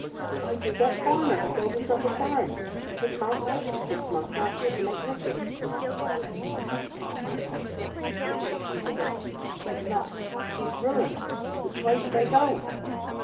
Why, 'tis that foreigner who calls himself a Baron, and took Mount Lodge for six months last year to make mischief—a villain! O, my Margery—that it should come to this! She's lost, she's ruined!—Which way did they go?